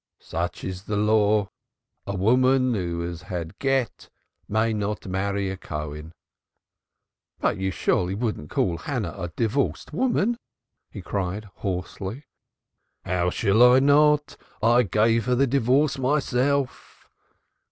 "Such is the law. A woman who has had Gett may not marry a Cohen." "But you surely wouldn't call Hannah a divorced woman?" he cried hoarsely. "How shall I not? I gave her the divorce myself."